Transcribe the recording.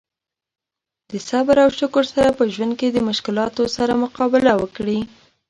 د صبر او شکر سره په ژوند کې د مشکلاتو سره مقابله وکړي.